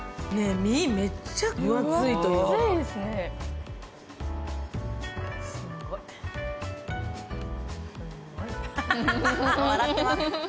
身めっちゃ分厚いというかすごい笑ってます